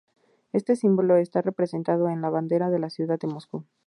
Este símbolo está representado en la bandera de la ciudad de Moscú.